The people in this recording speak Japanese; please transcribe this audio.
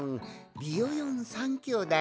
ビヨヨン３きょうだい？